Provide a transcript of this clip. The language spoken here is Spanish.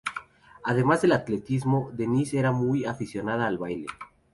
Además del atletismo Denise es muy aficionada al baile.